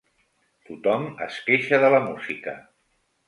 Tothom es queixa de la música.